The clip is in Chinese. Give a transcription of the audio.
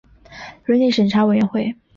伦理审查委员会